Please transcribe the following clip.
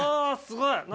すごい。